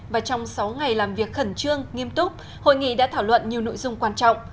và trong sáu ngày làm việc khẩn trương nghiêm túc hội nghị đã thảo luận nhiều nội dung quan trọng